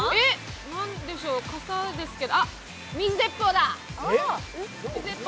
何でしょう、傘ですけどあっ、水鉄砲だ。